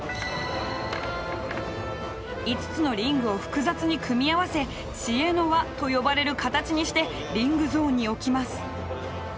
５つのリングを複雑に組み合わせ「知恵の輪」と呼ばれる形にしてリングゾーンに置きます。